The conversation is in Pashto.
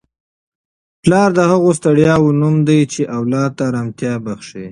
پلار د هغو ستړیاوو نوم دی چي اولاد ته ارامتیا بخښي.